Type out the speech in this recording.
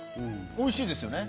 おいしいですよね。